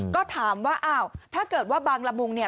ก็ถามว่าอ้าวถ้าเกิดว่าบางละมุงเนี่ย